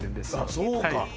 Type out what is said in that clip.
そうか。